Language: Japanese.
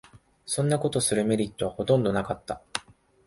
そんなことするメリットはほとんどなかった